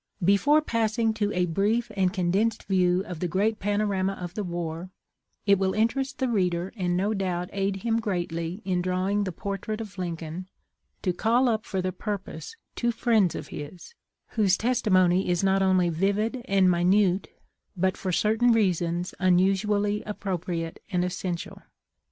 Before passing to a brief and condensed view of the great panorama of the war it will interest the reader and no doubt aid him greatly in drawing the po rtrait of Lincoln to call up for the purpose two friends of his, whose testimony is not only vivid and minute, but for certain reasons unusually appropriate and essential.